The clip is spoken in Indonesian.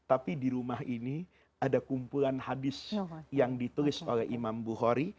tapi di rumah ini ada kumpulan hadis yang ditulis oleh imam bukhori